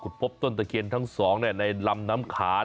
คุดพบต้นตะเขียนทั้ง๒ในลำน้ำขาญ